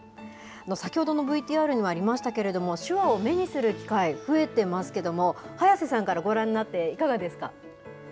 先ほどのＶＴＲにもありましたけれども、手話を目にする機会、増えてますけども、早瀬さんからご覧になって、いかがですか？